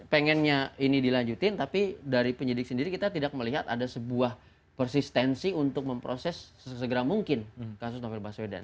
pengennya ini dilanjutin tapi dari penyidik sendiri kita tidak melihat ada sebuah persistensi untuk memproses segera mungkin kasus novel baswedan